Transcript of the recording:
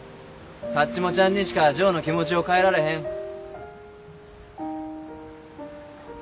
サッチモちゃんにしかジョーの気持ちを変えられへん。